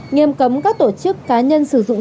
nghiêm cấm các tổ chức cá nhân sử dụng